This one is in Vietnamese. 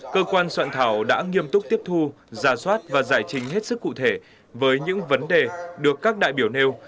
cơ quan soạn thảo đã nghiêm túc tiếp thu giả soát và giải trình hết sức cụ thể với những vấn đề được các đại biểu nêu